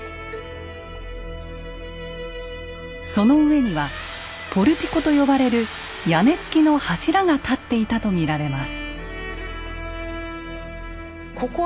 その上には「ポルティコ」と呼ばれる屋根付きの柱が立っていたと見られます。